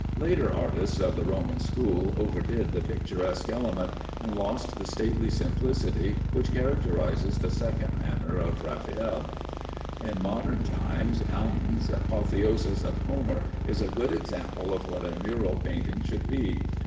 Later artists of the Roman school overdid the picturesque element, and lost the stately simplicity which characterizes the second manner of Raffaelle. In modern times, Ingres' "Apotheosis of Homer" is a good example of what a mural painting should be.